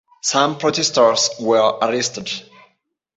Some protesters were arrested.